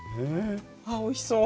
あおいしそう。